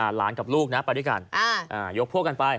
หลานกับลูกนะไปด้วยกันยกพวกกันไป